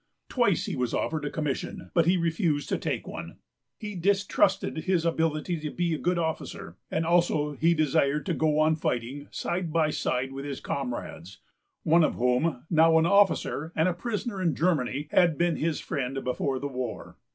Twice he was offered a commission, but he refused to take one. He distrusted his ability to be a good officer and also he desired to go on fighting side by side with his comrades, one of whom, now an officer and a prisoner in Germany, had been his friend before the war.